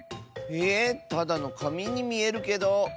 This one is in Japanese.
えただのかみにみえるけど。